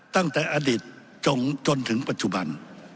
ตั้งแต่อดีตจนถึงปัจจุบัน